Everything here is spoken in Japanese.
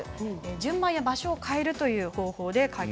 順番や場所を変えるといった方法です。